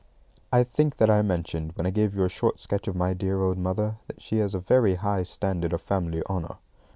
I think that I mentioned, when I gave you a short sketch of my dear old mother, that she has a very high standard of family honour.